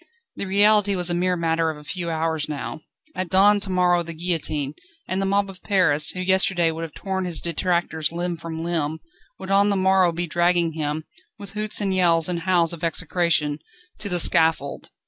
The reality was a mere matter of a few hours now. At dawn to morrow the guillotine; and the mob of Paris, who yesterday would have torn his detractors limb from limb, would on the morrow be dragging him, with hoots and yells and howls of execration, to the scaffold.